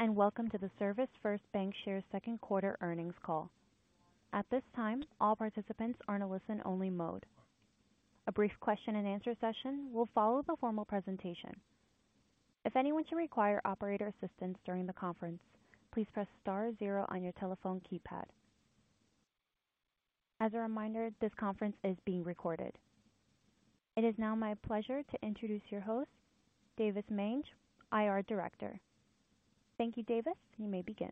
Greetings, welcome to the ServisFirst Bancshares Second Quarter Earnings Call. At this time, all participants are in a listen-only mode. A brief question-and-answer session will follow the formal presentation. If anyone should require operator assistance during the conference, please press star zero on your telephone keypad. As a reminder, this conference is being recorded. It is now my pleasure to introduce your host, Davis Mange, IR Director. Thank you, Davis. You may begin.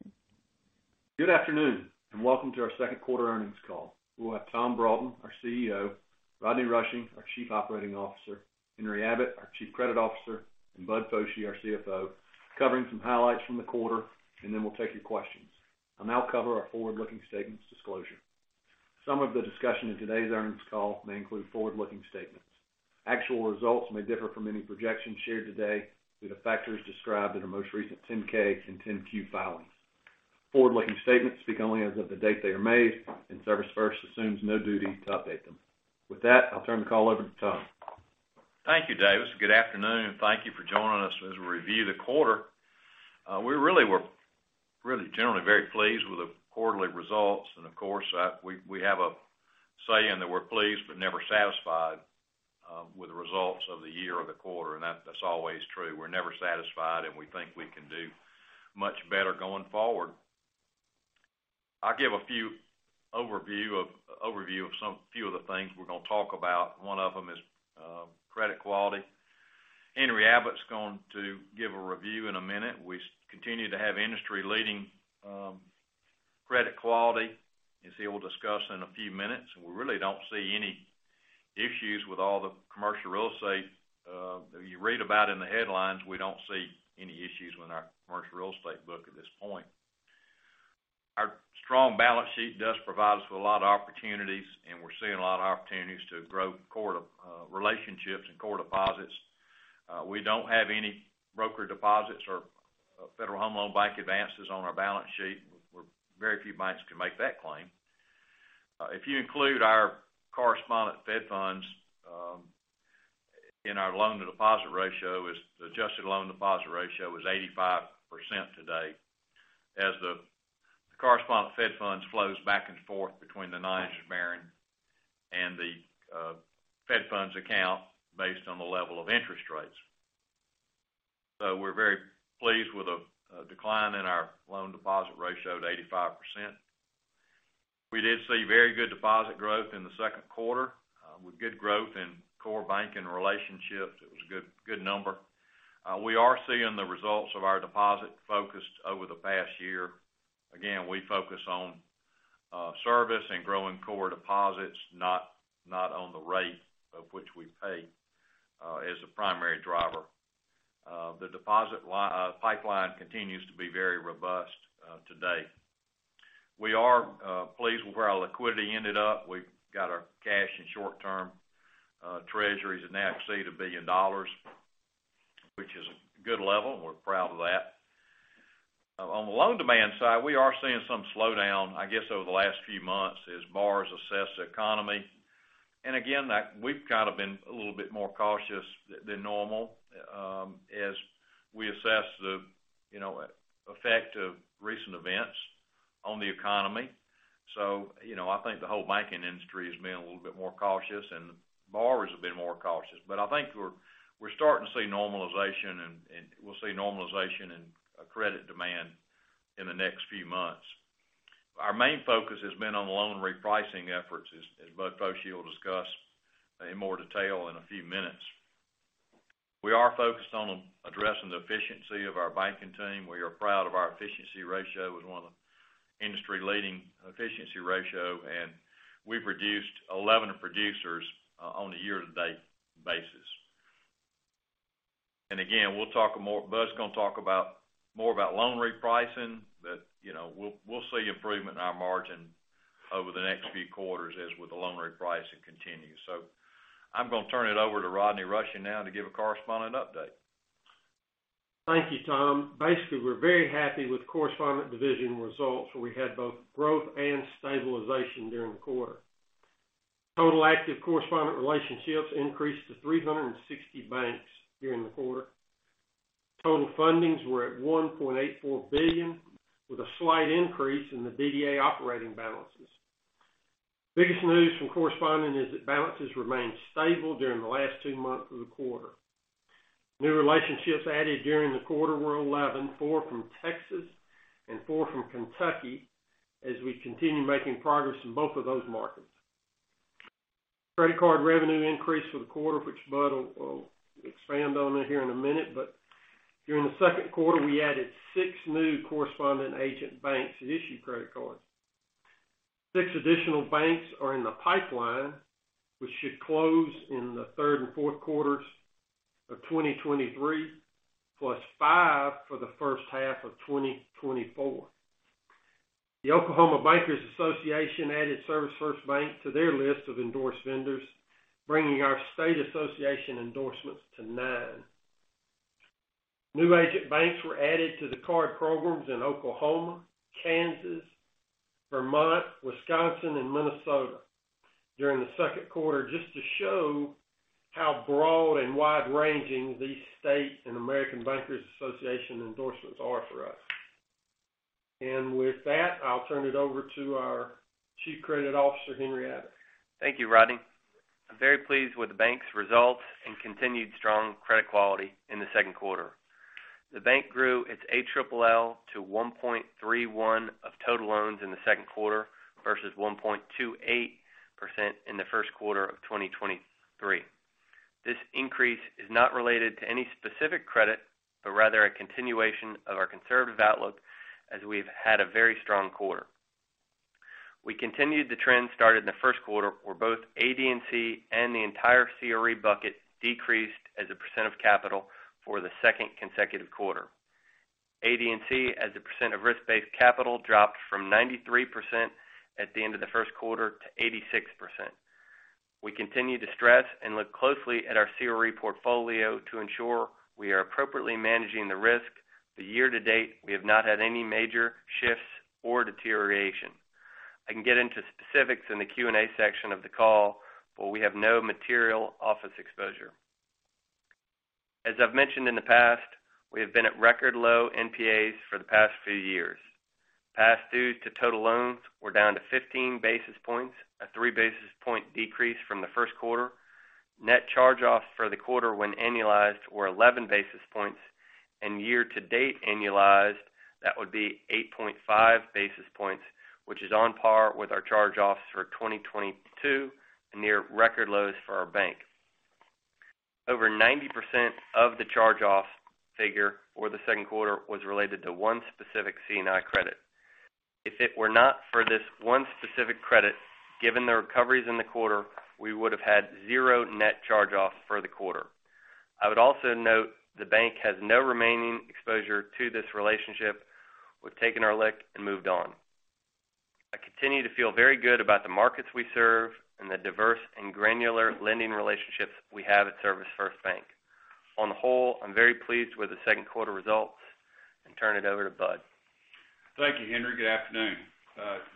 Good afternoon, welcome to our second quarter earnings call. We'll have Tom Broughton, our CEO, Rodney Rushing, our Chief Operating Officer, Henry Abbott, our Chief Credit Officer, and Bud Foshee, our CFO, covering some highlights from the quarter, then we'll take your questions. I'll now cover our forward-looking statements disclosure. Some of the discussion in today's earnings call may include forward-looking statements. Actual results may differ from any projections shared today due to factors described in our most recent 10-K and 10-Q filings. Forward-looking statements speak only as of the date they are made, ServisFirst assumes no duty to update them. With that, I'll turn the call over to Tom. Thank you, Davis. Good afternoon, thank you for joining us as we review the quarter. We were really generally very pleased with the quarterly results. Of course, we have a saying that we're pleased but never satisfied with the results of the year or the quarter, and that's always true. We're never satisfied, we think we can do much better going forward. I'll give overview of some, few of the things we're going to talk about. One of them is credit quality. Henry Abbott's going to give a review in a minute. We continue to have industry-leading credit quality, as he will discuss in a few minutes. We really don't see any issues with all the commercial real estate you read about in the headlines. We don't see any issues with our commercial real estate book at this point. Our strong balance sheet does provide us with a lot of opportunities, and we're seeing a lot of opportunities to grow core relationships and core deposits. We don't have any broker deposits or federal home loan bank advances on our balance sheet. Very few banks can make that claim. If you include our correspondent Fed funds in our loan-to-deposit ratio, is the adjusted loan-to-deposit ratio is 85% today, as the correspondent Fed funds flows back and forth between the Nine and the Fed funds account based on the level of interest rates. We're very pleased with the decline in our loan deposit ratio to 85%. We did see very good deposit growth in the second quarter with good growth in core banking relationships. It was a good number. We are seeing the results of our deposit focused over the past year. Again, we focus on service and growing core deposits, not on the rate of which we pay as a primary driver. The deposit pipeline continues to be very robust to date. We are pleased with where our liquidity ended up. We've got our cash and short-term treasuries that now exceed $1 billion, which is a good level. We're proud of that. On the loan demand side, we are seeing some slowdown, I guess, over the last few months as borrowers assess the economy. Again, we've kind of been a little bit more cautious than normal, as we assess the, you know, effect of recent events on the economy. You know, I think the whole banking industry has been a little bit more cautious and borrowers have been more cautious. I think we're starting to see normalization and we'll see normalization in credit demand in the next few months. Our main focus has been on loan repricing efforts, as Bud Foshee will discuss in more detail in a few minutes. We are focused on addressing the efficiency of our banking team. We are proud of our efficiency ratio, with one of the industry-leading efficiency ratio, and we've reduced 11 producers on a year-to-date basis. Again, Bud's going to talk about more about loan repricing, you know, we'll see improvement in our margin over the next few quarters as with the loan repricing continues. I'm going to turn it over to Rodney Rushing now to give a correspondent update. Thank you, Tom. Basically, we're very happy with correspondent division results, where we had both growth and stabilization during the quarter. Total active correspondent relationships increased to 360 banks during the quarter. Total fundings were at $1.84 billion, with a slight increase in the BDA operating balances. Biggest news from correspondent is that balances remained stable during the last two months of the quarter. New relationships added during the quarter were 11, four from Texas and four from Kentucky, as we continue making progress in both of those markets. Credit card revenue increased for the quarter, which Bud will expand on it here in a minute. During the second quarter, we added six new correspondent agent banks to issue credit cards. Six additional banks are in the pipeline, which should close in the third and fourth quarters of 2023, plus five for the first half of 2024. The Oklahoma Bankers Association added ServisFirst Bank to their list of endorsed vendors, bringing our state association endorsements to nine. New agent banks were added to the card programs in Oklahoma, Vermont, Wisconsin, and Minnesota during the second quarter, just to show how broad and wide-ranging these states and American Bankers Association endorsements are for us. With that, I'll turn it over to our Chief Credit Officer, Henry Abbott. Thank you, Rodney. I'm very pleased with the bank's results and continued strong credit quality in the second quarter. The bank grew its ALL to 1.31 of total loans in the second quarter versus 1.28% in the first quarter of 2023. This increase is not related to any specific credit, but rather a continuation of our conservative outlook, as we've had a very strong quarter. We continued the trend started in the first quarter, where both AD&C and the entire CRE bucket decreased as a % of capital for the second consecutive quarter. AD&C, as a % of risk-based capital, dropped from 93% at the end of the first quarter to 86%. We continue to stress and look closely at our CRE portfolio to ensure we are appropriately managing the risk. The year to date, we have not had any major shifts or deterioration. I can get into specifics in the Q&A section of the call. We have no material office exposure. As I've mentioned in the past, we have been at record low NPAs for the past few years. Past due to total loans were down to 15 basis points, a 3 basis point decrease from the first quarter. Net charge-offs for the quarter, when annualized, were 11 basis points, and year to date annualized, that would be 8.5 basis points, which is on par with our charge-offs for 2022 and near record lows for our bank. Over 90% of the charge-offs figure for the second quarter was related to one specific C&I credit. If it were not for this one specific credit, given the recoveries in the quarter, we would have had zero net charge-offs for the quarter. I would also note the bank has no remaining exposure to this relationship. We've taken our lick and moved on. I continue to feel very good about the markets we serve and the diverse and granular lending relationships we have at ServisFirst Bank. On the whole, I'm very pleased with the second quarter results and turn it over to Bud. Thank you, Henry. Good afternoon.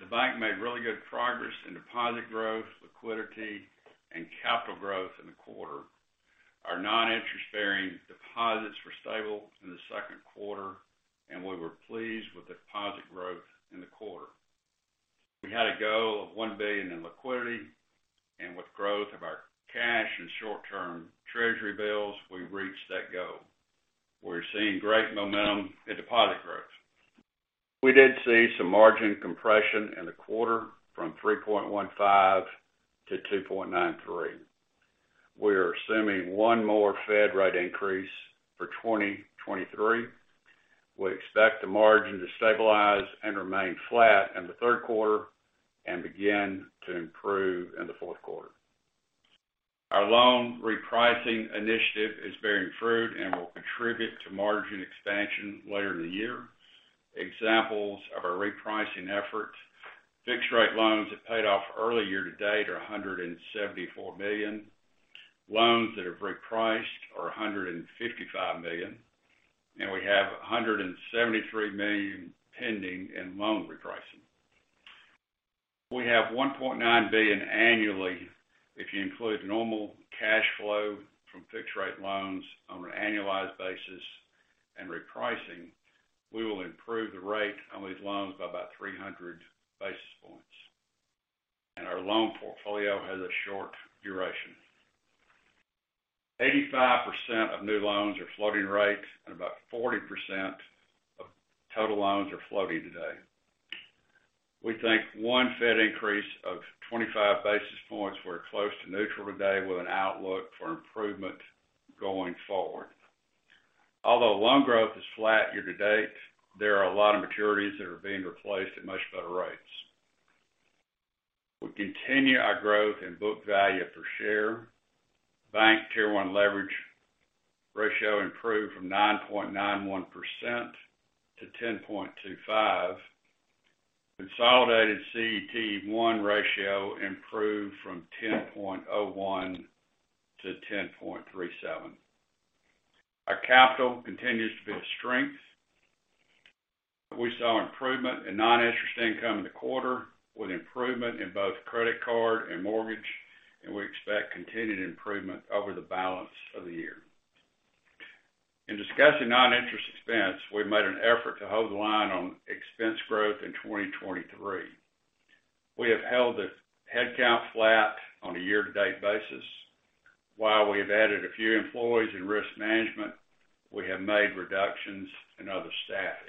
The bank made really good progress in deposit growth, liquidity, and capital growth in the quarter. Our non-interest-bearing deposits were stable in the second quarter. We were pleased with the deposit growth in the quarter. We had a goal of $1 billion in liquidity. With growth of our cash and short-term treasury bills, we reached that goal. We're seeing great momentum in deposit growth. We did see some margin compression in the quarter from 3.15% to 2.93%. We are assuming one more Fed rate increase for 2023. We expect the margin to stabilize and remain flat in the third quarter and begin to improve in the fourth quarter. Our loan repricing initiative is bearing fruit and will contribute to margin expansion later in the year. Examples of our repricing efforts, fixed-rate loans that paid off early year-to-date are $174 million. Loans that are repriced are $155 million. We have $173 million pending in loan repricing. We have $1.9 billion annually, if you include normal cash flow from fixed-rate loans on an annualized basis and repricing, we will improve the rate on these loans by about 300 basis points. Our loan portfolio has a short duration. 85% of new loans are floating rates. About 40% of total loans are floating today. We think 1 Fed increase of 25 basis points, we're close to neutral today, with an outlook for improvement going forward. Although loan growth is flat year-to-date, there are a lot of maturities that are being replaced at much better rates. We continue our growth in book value per share. Bank Tier 1 leverage ratio improved from 9.91% to 10.25%. Consolidated CET1 ratio improved from 10.01% to 10.37%. Our capital continues to be a strength. We saw improvement in non-interest income in the quarter, with improvement in both credit card and mortgage. We expect continued improvement over the balance of the year. In discussing non-interest expense, we've made an effort to hold the line on expense growth in 2023. We have held the headcount flat on a year-to-date basis. While we have added a few employees in risk management, we have made reductions in other staffing.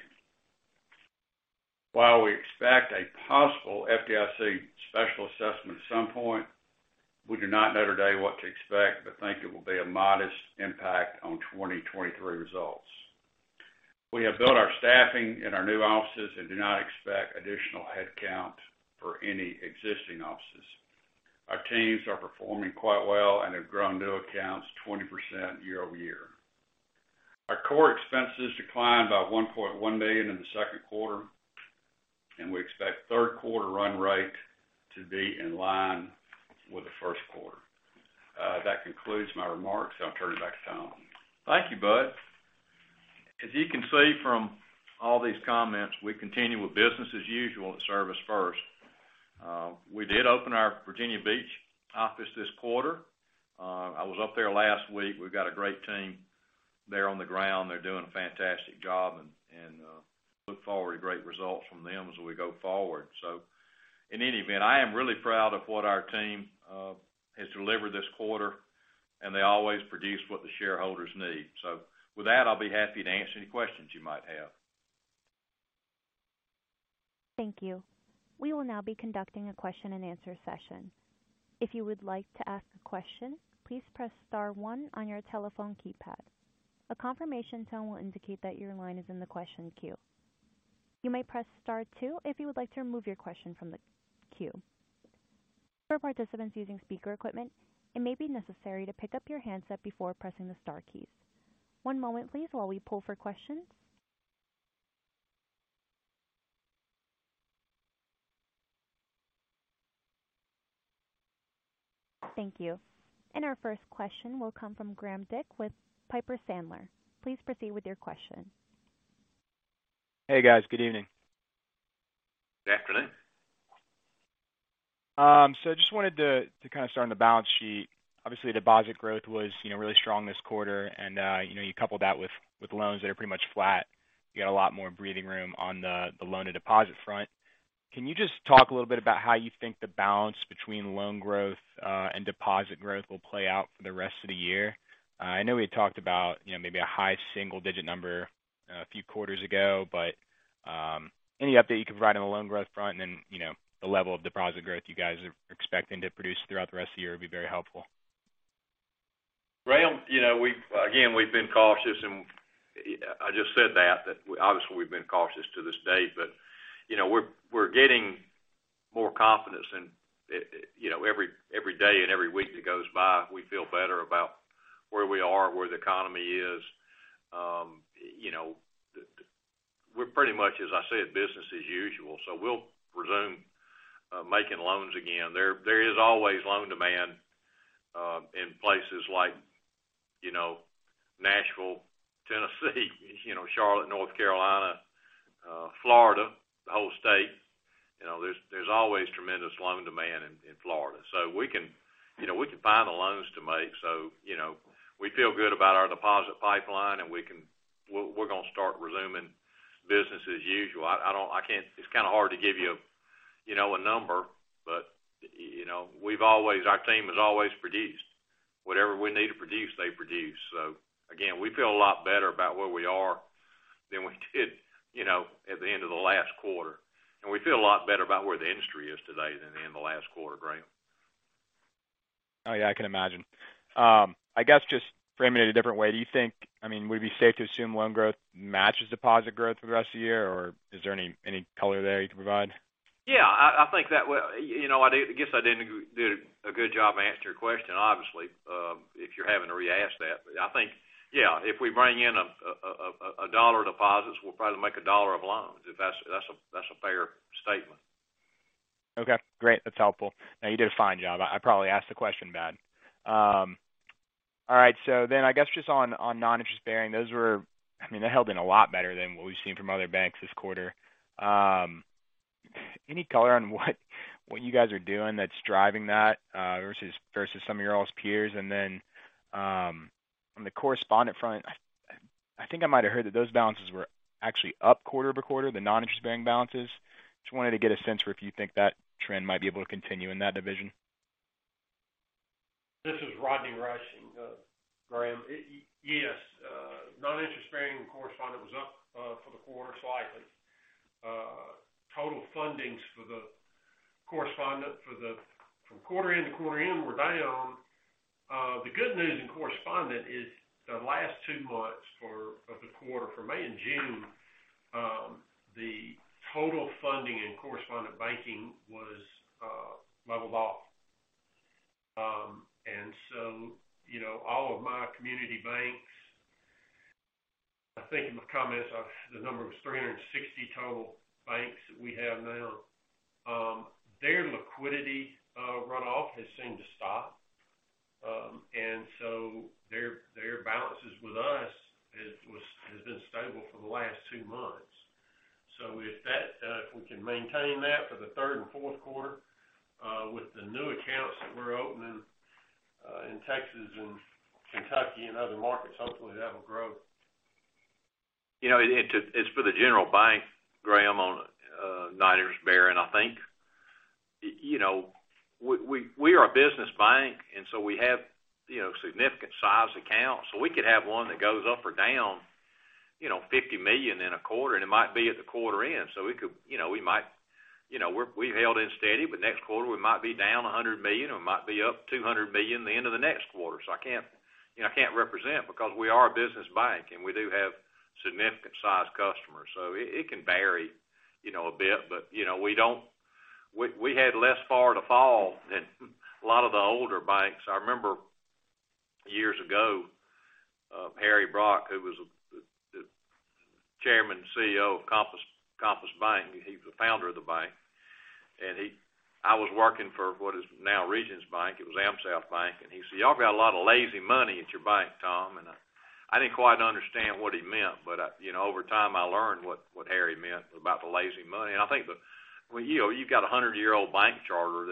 While we expect a possible FDIC special assessment at some point, we do not know today what to expect, but think it will be a modest impact on 2023 results. We have built our staffing in our new offices and do not expect additional headcount for any existing offices. Our teams are performing quite well and have grown new accounts 20% year-over-year. Our core expenses declined by $1.1 million in the second quarter, and we expect third quarter run rate to be in line with the first quarter. That concludes my remarks. I'll turn it back to Tom. Thank you, Bud. As you can see from all these comments, we continue with business as usual at ServisFirst. We did open our Virginia Beach office this quarter. I was up there last week. We've got a great team there on the ground. They're doing a fantastic job and look forward to great results from them as we go forward. In any event, I am really proud of what our team has delivered this quarter, and they always produce what the shareholders need. With that, I'll be happy to answer any questions you might have. Thank you. We will now be conducting a question-and-answer session. If you would like to ask a question, please press star one on your telephone keypad. A confirmation tone will indicate that your line is in the question queue. You may press star two if you would like to remove your question from the queue. For participants using speaker equipment, it may be necessary to pick up your handset before pressing the star keys. One moment, please, while we pull for questions. Thank you. Our first question will come from Graham D with Piper Sandler. Please proceed with your question. Hey, guys. Good evening. Good afternoon. Just wanted to kind of start on the balance sheet. Obviously, deposit growth was, you know, really strong this quarter, you know, you couple that with loans that are pretty much flat. You got a lot more breathing room on the loan-to-deposit front. Can you just talk a little bit about how you think the balance between loan growth and deposit growth will play out for the rest of the year? I know we talked about, you know, maybe a high single-digit number a few quarters ago, but any update you could provide on the loan growth front and then, you know, the level of deposit growth you guys are expecting to produce throughout the rest of the year would be very helpful. Graham, you know, again, we've been cautious, I just said that obviously we've been cautious to this date, but, you know, we're getting more confidence, you know, every day and every week that goes by, we feel better about where we are, where the economy is. You know, the we're pretty much, as I said, business as usual, we'll resume making loans again. There is always loan demand in places like, you know, Nashville, Tennessee, you know, Charlotte, North Carolina, Florida, the whole state. You know, there's always tremendous loan demand in Florida. We can, you know, we can find the loans to make. You know, we feel good about our deposit pipeline, and we're going to start resuming business as usual. I don't, I can't. It's kind of hard to give you know, a number, but, you know, we've always, our team has always produced. Whatever we need to produce, they produce. Again, we feel a lot better about where we are than we did, you know, at the end of the last quarter. We feel a lot better about where the industry is today than in the last quarter, Graham. Oh, yeah, I can imagine. I guess just framing it a different way, I mean, would it be safe to assume loan growth matches deposit growth for the rest of the year, or is there any color there you can provide? Yeah, I think that, well, you know, I guess I didn't do a good job of answering your question, obviously, if you're having to re-ask that. I think, yeah, if we bring in a dollar of deposits, we'll probably make a dollar of loans. If that's a fair statement. Okay, great. That's helpful. No, you did a fine job. I probably asked the question bad. All right, I guess just on non-interest-bearing, I mean, they held in a lot better than what we've seen from other banks this quarter. Any color on what you guys are doing that's driving that, versus some of your all's peers? On the correspondent front, I think I might have heard that those balances were actually up quarter-over-quarter, the non-interest-bearing balances. Just wanted to get a sense for if you think that trend might be able to continue in that division. This is Rodney Rushing, Graham. Yes, non-interest-bearing correspondent was up for the quarter, slightly. Total fundings for the correspondent from quarter end to quarter end were down. The good news in correspondent is the last two monthss of the quarter, for May and June, the total funding in correspondent banking was leveled off. You know, all of my community banks, I think in my comments, the number was 360 total banks that we have now, their liquidity runoff has seemed to stop. Their, their balances with us has been stable for the last two monthss. If that, if we can maintain that for the third and fourth quarter, with the new accounts that we're opening, in Texas and Kentucky and other markets, hopefully, that will grow. You know, it's for the general bank, Graham, on non-interest bearing, I think. You know, we are a business bank, and so we have, you know, significant size accounts. We could have one that goes up or down, you know, $50 million in a quarter, and it might be at the quarter end. We could, you know, we might, you know, we've held in steady, but next quarter, we might be down $100 million, or it might be up $200 million the end of the next quarter. I can't, you know, I can't represent because we are a business bank, and we do have significant sized customers, so it can vary, you know, a bit. You know, we don't, we had less far to fall than a lot of the older banks. I remember years ago, Harry Brock, who was the chairman and CEO of Compass Bank, he was the founder of the bank. I was working for what is now Regions Bank. It was AmSouth Bank, and he said, "Y'all got a lot of lazy money at your bank, Tom." I didn't quite understand what he meant, but, you know, over time, I learned what Harry meant about the lazy money. Well, you know, you've got a 100-year-old bank charter,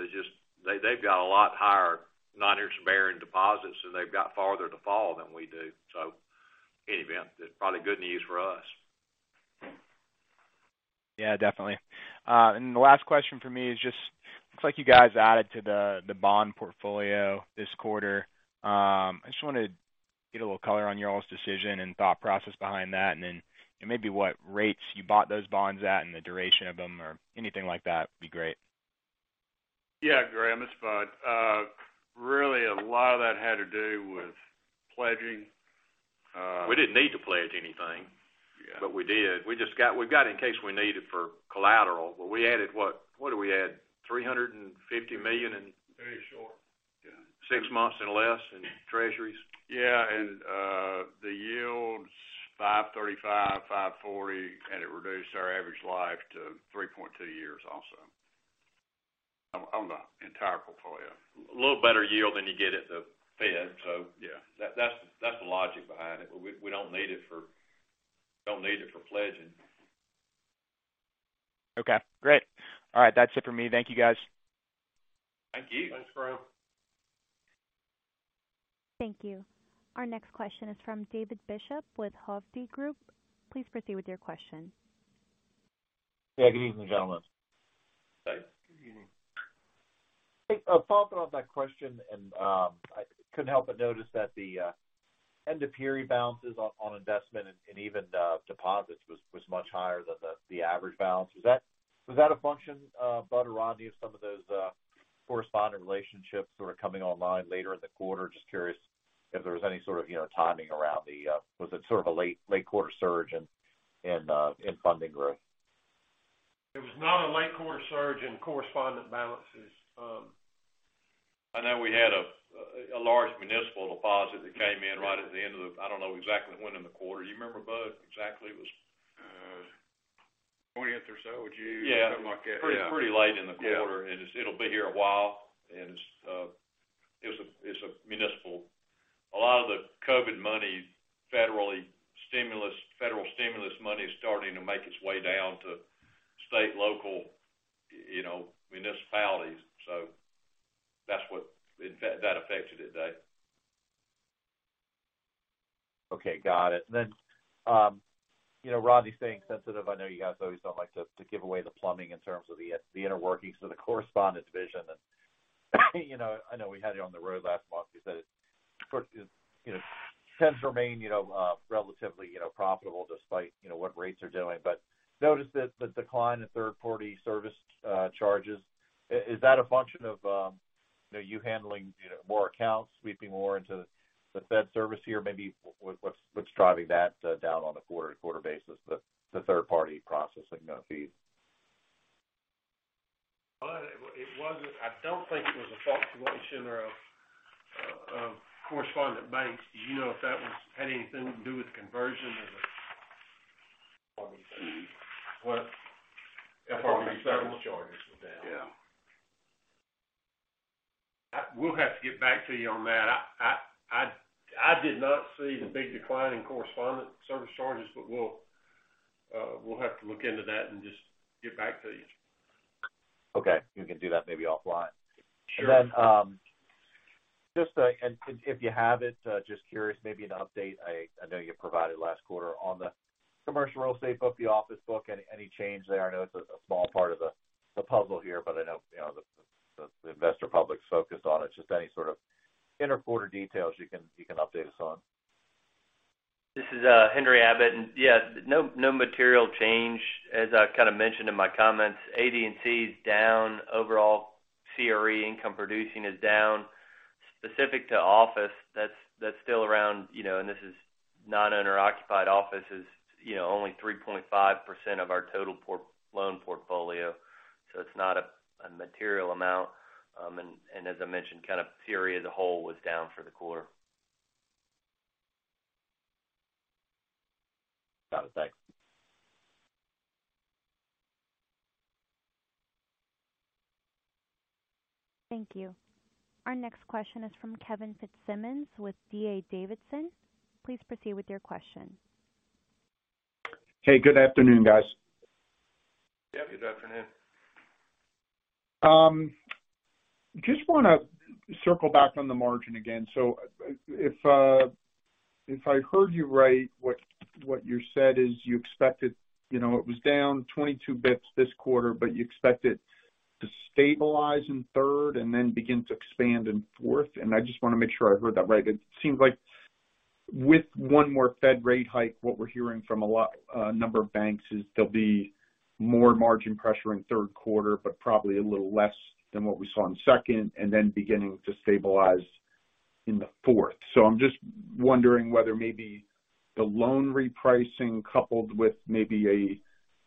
they've got a lot higher non-interest-bearing deposits, so they've got farther to fall than we do. In any event, it's probably good news for us. Yeah, definitely. The last question for me is just, looks like you guys added to the bond portfolio this quarter. I just wanted to get a little color on your all's decision and thought process behind that, and then maybe what rates you bought those bonds at and the duration of them or anything like that, would be great. Yeah, Graham, it's Bud. Really, a lot of that had to do with pledging. We didn't need to pledge anything. Yeah. We did. We just got it in case we need it for collateral. We added what? What did we add? $350 million in Very short, yeah. Six months and less in Treasuries. Yeah, the yield's 5.35%, 5.40%, and it reduced our average life to 3.2 years, also, on the entire portfolio. A little better yield than you get at the Fed, so yeah. That's the logic behind it. We don't need it for pledging. Okay, great. All right, that's it for me. Thank you, guys. Thank you. Thanks, Graham. Thank you. Our next question is from David Bishop with Hovde Group. Please proceed with your question. Yeah, good evening, gentlemen. Hi. Good evening. Hey, following up on that question, I couldn't help but notice that the end-of-period balances on investment and even deposits was much higher than the average balance. Was that a function of Bud or Rodney, of some of those correspondent relationships that are coming online later in the quarter? Just curious if there was any sort of, you know, timing around the was it sort of a late quarter surge in funding growth? It was not a late quarter surge in correspondent balances. I know we had a large municipal deposit that came in right at the end of the, I don't know exactly when in the quarter. You remember, Bud? Exactly, it was 20 or so, would you say? Yeah. Something like that, yeah. Pretty late in the quarter Yeah. It's, it'll be here a while, and it's a municipal. A lot of the COVID money, federal stimulus money, is starting to make its way down to state, local, you know, municipalities. That's what that affected it, Dave. Okay, got it. You know, Rodney, staying sensitive, I know you guys always don't like to give away the plumbing in terms of the inner workings of the correspondent division. You know, I know we had you on the road last month. You said it, you know, tends to remain, you know, relatively, you know, profitable despite, you know, what rates are doing. Noticed that the decline in third-party service charges, is that a function of, you know, you handling, you know, more accounts, sweeping more into the Fed service here? Maybe what's driving that down on a quarter-to-quarter basis, the third-party processing fees? Well, it wasn't I don't think it was a fluctuation or a correspondent banks. Do you know if that was, had anything to do with conversion of the? RBPs? What? RB service charges were down. Yeah. We'll have to get back to you on that. I did not see the big decline in correspondent service charges, we'll have to look into that and just get back to you. Okay, we can do that maybe offline. Sure. and if you have it, just curious, maybe an update, I know you provided last quarter on the commercial real estate book, the office book, any change there? I know it's a small part of the puzzle here, but I know, you know, the investor public's focused on it. Just any sort of inter-quarter details you can update us on. This is Henry Abbott. Yeah, no material change. As I kind of mentioned in my comments, AD&C is down. Overall, CRE income producing is down. Specific to office, that's still around, you know, and this is non-owner occupied office is, you know, only 3.5% of our total loan portfolio, so it's not a material amount. As I mentioned, kind of CRE as a whole was down for the quarter. Got it. Thanks. Thank you. Our next question is from Kevin Fitzsimmons with D.A. Davidson. Please proceed with your question. Hey, good afternoon, guys. Yeah, good afternoon. Just wanna circle back on the margin again. If I heard you right, what you said is you expected, you know, it was down 22 bits this quarter, but you expect it to stabilize in third and then begin to expand in fourth, and I just wanna make sure I heard that right. It seems like with one more Fed rate hike, what we're hearing from a lot, number of banks is there'll be more margin pressure in third quarter, but probably a little less than what we saw in second, and then beginning to stabilize in the fourth. I'm just wondering whether maybe the loan repricing, coupled with maybe a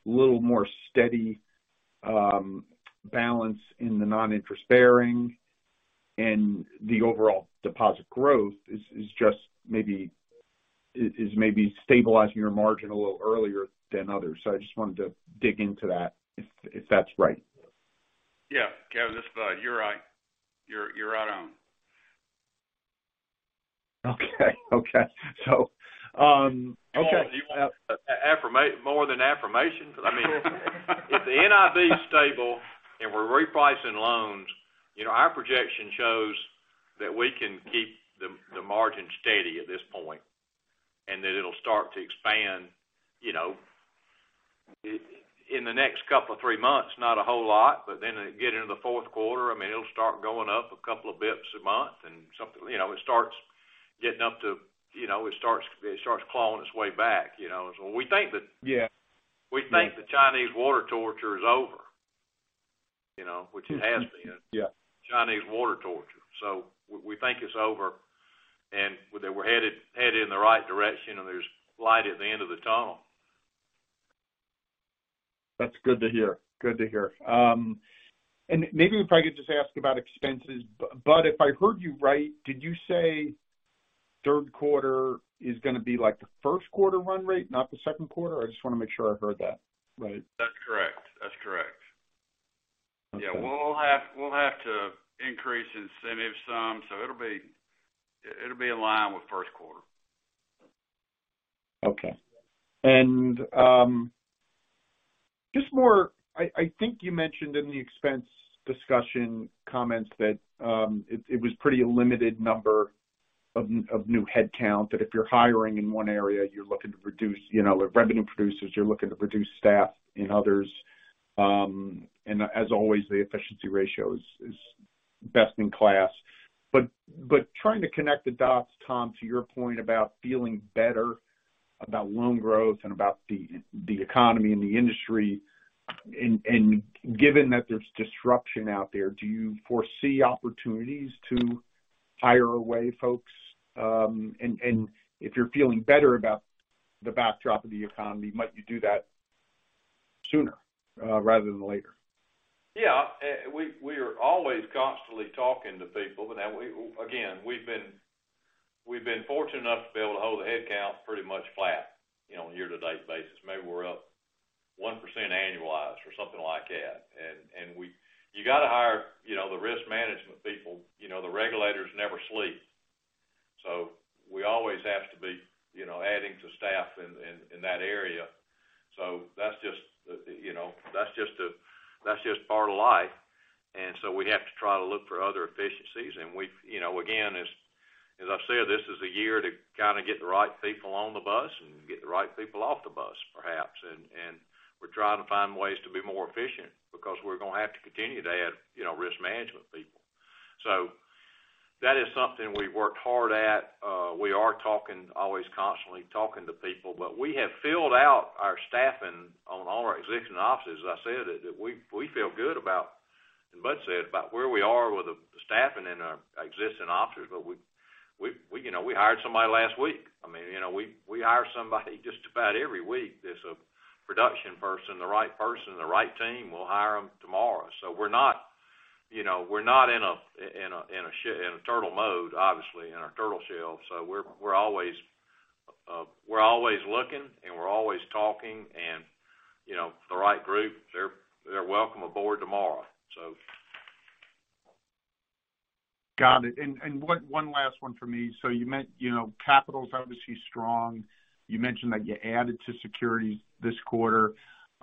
little more steady, balance in the non-interest bearing and the overall deposit growth is just maybe, is maybe stabilizing your margin a little earlier than others. I just wanted to dig into that, if that's right. Yeah, Kevin, this is Bud. You're right. You're right on. Okay. Okay. Okay. You want more than affirmation? I mean, if the NIB is stable and we're repricing loans, you know, our projection shows that we can keep the margin steady at this point, and that it'll start to expand, you know, in the next couple of three months, not a whole lot. Get into the fourth quarter, I mean, it'll start going up a couple of bips a month, and something you know, it starts getting up to, you know, it starts clawing its way back, you know? We think that Yeah. We think the Chinese water torture is over, you know, which it has been. Yeah. Chinese water torture. We think it's over, and that we're headed in the right direction, and there's light at the end of the tunnel. That's good to hear. Good to hear. Maybe if I could just ask about expenses. If I heard you right, did you say third quarter is going to be like the first quarter run rate, not the second quarter? I just want to make sure I heard that right. That's correct. That's correct. Okay. Yeah, we'll have to increase incentive some, so it'll be in line with first quarter. Okay. I think you mentioned in the expense discussion comments that it was pretty a limited number of new headcount, that if you're hiring in one area, you're looking to reduce, you know, the revenue producers, you're looking to reduce staff in others. As always, the efficiency ratio is best in class. Trying to connect the dots, Tom, to your point about feeling better about loan growth and about the economy and the industry, and given that there's disruption out there, do you foresee opportunities to hire away folks? If you're feeling better about the backdrop of the economy, might you do that sooner, rather than later? Yeah. We are always constantly talking to people. Again, we've been fortunate enough to be able to hold the headcount pretty much flat, you know, on a year-to-date basis. Maybe we're up 1% annualized or something like that. You got to hire, you know, the risk management people. You know, the regulators never sleep. We always have to be, you know, adding to staff in that area. That's just, you know, that's just part of life. We have to try to look for other efficiencies. We've, you know, again, as I've said, this is a year to kind of get the right people on the bus and get the right people off the bus, perhaps. We're trying to find ways to be more efficient because we're going to have to continue to add, you know, risk management people. That is something we've worked hard at. We are talking, always constantly talking to people, but we have filled out our staffing on all our existing offices. As I said, that we feel good about, and Bud Foshee said, about where we are with the staffing in our existing offices, but we, you know, we hired somebody last week. I mean, you know, we hire somebody just about every week. If there's a production person, the right person, the right team, we'll hire them tomorrow. We're not, you know, we're not in a, in a turtle mode, obviously, in our turtle shell. We're always looking, and we're always talking, and, you know, the right group, they're welcome aboard tomorrow, so. Got it. One last one for me. You meant, you know, capital is obviously strong. You mentioned that you added to securities this quarter.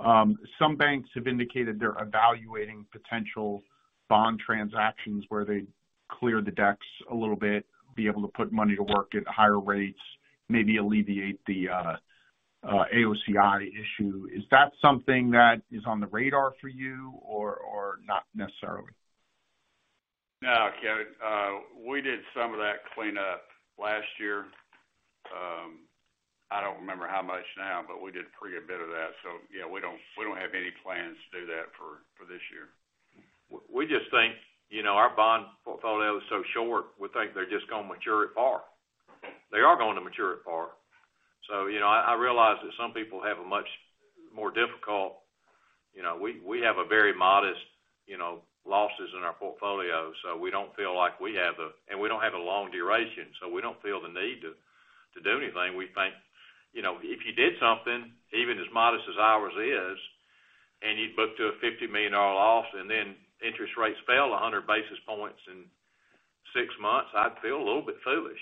Some banks have indicated they're evaluating potential bond transactions, where they clear the decks a little bit, be able to put money to work at higher rates, maybe alleviate the AOCI issue. Is that something that is on the radar for you or not necessarily? No, Kevin, we did some of that cleanup last year. I don't remember how much now, but we did pretty a bit of that. Yeah, we don't, we don't have any plans to do that for this year. We just think, you know, our bond portfolio is so short, we think they're just going to mature at par. They are going to mature at par. You know, I realize that some people have a much more difficult. You know, we have a very modest, you know, losses in our portfolio, so we don't feel like we have a and we don't have a long duration, so we don't feel the need to do anything. We think, you know, if you did something, even as modest as ours is, and you booked to a $50 million loss, and then interest rates fell 100 basis points in six months, I'd feel a little bit foolish,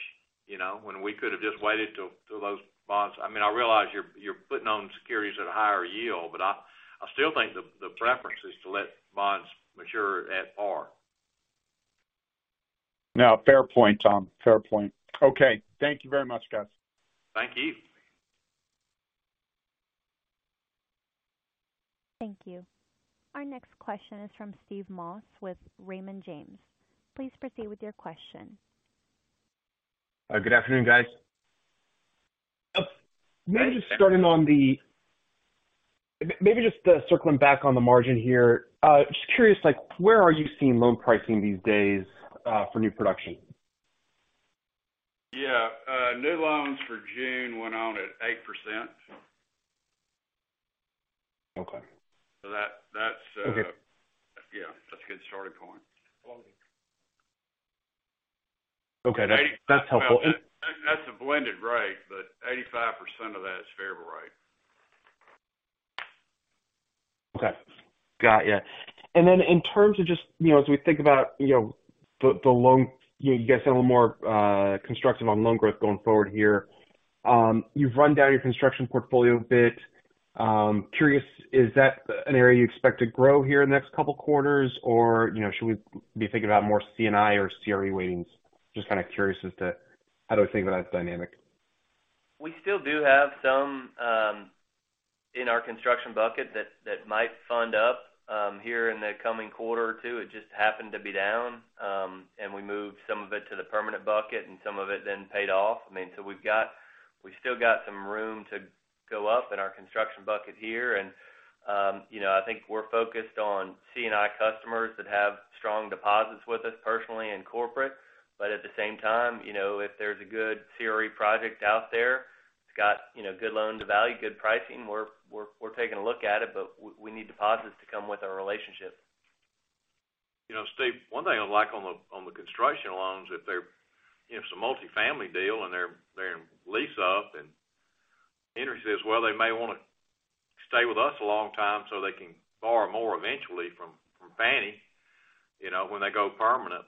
you know, when we could have just waited till those bonds. I mean, I realize you're putting on securities at a higher yield, but I still think the preference is to let bonds mature at par. No, fair point, Tom. Fair point. Okay, thank you very much, guys. Thank you. Thank you. Our next question is from Steve Moss with Raymond James. Please proceed with your question. Good afternoon, guys. Maybe just starting circling back on the margin here. Just curious, like, where are you seeing loan pricing these days, for new production? New loans for June went out at 8%. Okay. that's. Okay. Yeah, that's a good starting point. Okay, that's helpful. That's a blended rate, but 85% of that is variable rate. Okay. Got you. Then in terms of just, you know, as we think about, you know, the loan, you know, you guys get a little more constructive on loan growth going forward here. You've run down your construction portfolio a bit. Curious, is that an area you expect to grow here in the next couple quarters? Or, you know, should we be thinking about more C&I or CRE weightings? Just kind of curious as to how to think about that dynamic. We still do have some in our construction bucket that might fund up here in the coming quarter or two. It just happened to be down, and we moved some of it to the permanent bucket, and some of it then paid off. I mean, we've still got some room to go up in our construction bucket here. You know, I think we're focused on C&I customers that have strong deposits with us personally and corporate. At the same time, you know, if there's a good CRE project out there, it's got, you know, good loan-to-value, good pricing, we're taking a look at it, but we need deposits to come with our relationship. You know, Steve Moss, one thing I like on the construction loans, if they're, you know, it's a multifamily deal and they're in lease up, and Henry Abbott says, well, they may want to stay with us a long time so they can borrow more eventually from Fannie Mae, you know, when they go permanent.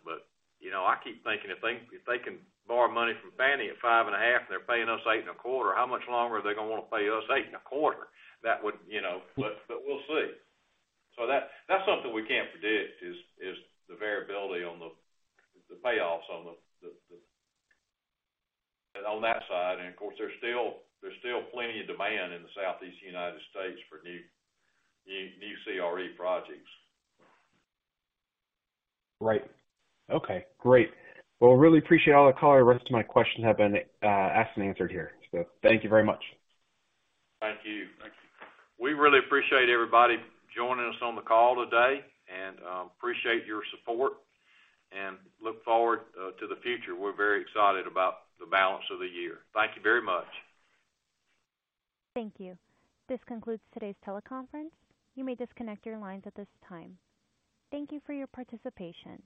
You know, I keep thinking, if they can borrow money from Fannie Mae at five and a half, and they're paying us eight and a quarter, how much longer are they gonna wanna pay us eight and a quarter? That would, you know. But we'll see. That's something we can't predict, is the variability on the payoffs on the and on that side, and of course, there's still plenty of demand in the Southeast United States for new CRE projects. Right. Okay, great. Well, really appreciate all the call. The rest of my questions have been asked and answered here. Thank you very much. Thank you. Thank you. We really appreciate everybody joining us on the call today, and appreciate your support and look forward to the future. We're very excited about the balance of the year. Thank you very much. Thank you. This concludes today's teleconference. You may disconnect your lines at this time. Thank you for your participation.